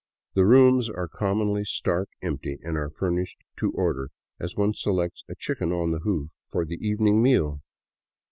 The rooms are commonly stark empty, and are furnished to order, as one selects a chicken on the hoof for the evening meal.